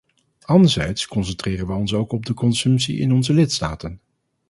Anderzijds concentreren wij ons ook op de consumptie in onze lidstaten.